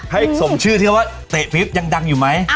ให้สมชื่อที่เขาว่าเตะพริบยังดังอยู่ไหม